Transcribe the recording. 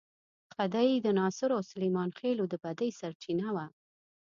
خدۍ د ناصرو او سلیمان خېلو د بدۍ سرچینه وه.